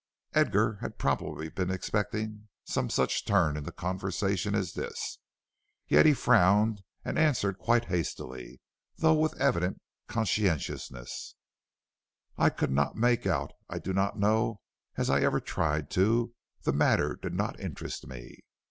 Edgar had probably been expecting some such turn in the conversation as this, yet he frowned and answered quite hastily, though with evident conscientiousness: "I could not make out; I do not know as I ever tried to; the matter did not interest me."